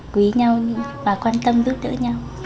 quý nhau và quan tâm giúp đỡ nhau